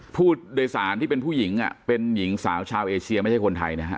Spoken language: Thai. ผู้โดยสารที่เป็นผู้หญิงเป็นหญิงสาวชาวเอเชียไม่ใช่คนไทยนะฮะ